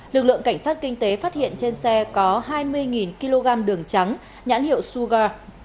lực lượng cảnh sát kinh tế phát hiện trên xe có hai mươi kg đường trắng nhãn hiệu suga